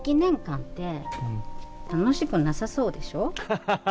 ハハハ！